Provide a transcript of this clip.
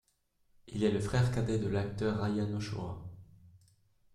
Il est le frère cadet de l'acteur Ryan Ochoa.